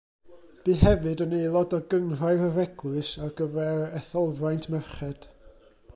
Bu hefyd yn aelod o Gynghrair yr Eglwys ar gyfer Etholfraint Merched.